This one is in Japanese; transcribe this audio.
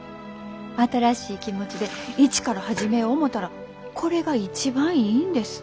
新しい気持ちで一から始めよ思たらこれが一番いいんです。